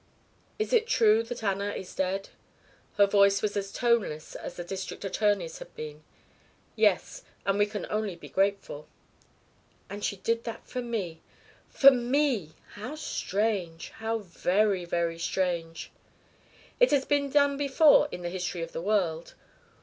"Is it true that Anna is dead?" Her voice was as toneless as the district attorney's had been. "Yes and we can only be grateful." "And she did that for me for me. How strange! How very, very strange!" "It has been done before in the history of the world."